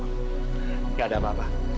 nggak ada apa apa